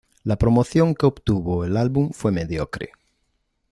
La promoción que obtuvo el álbum fue mediocre.